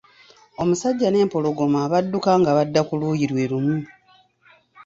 Omusajja n'empologoma badduka nga badda ku luuyi lwe lumu.